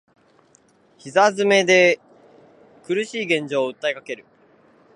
膝詰めで苦しい現状を訴えかける